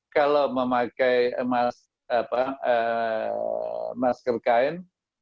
kalau memakai masker kain